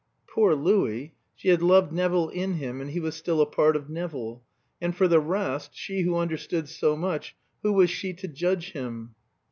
Poor Louis! she had loved Nevill in him and he was still a part of Nevill. And for the rest, she who understood so much, who was she to judge him?